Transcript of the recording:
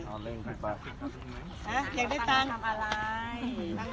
อยากได้ตังค์